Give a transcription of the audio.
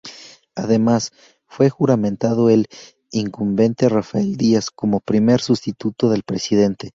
Además, fue juramentado el incumbente Rafael Díaz como Primer Sustituto del presidente.